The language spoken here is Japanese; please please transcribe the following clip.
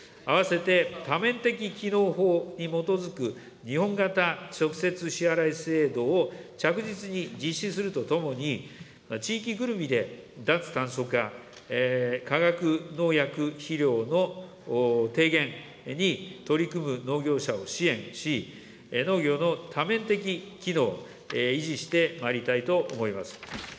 併せて、多面的機能法に基づく日本型直接支払い制度を着実に実施するとともに、地域ぐるみで脱炭素化、化学農薬肥料の低減に取り組む農業者を支援し、農業の多面的機能を維持してまいりたいと思います。